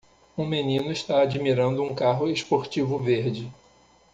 Um menino está admirando um carro esportivo verde.